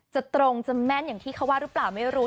ตรงจะแม่นอย่างที่เขาว่าหรือเปล่าไม่รู้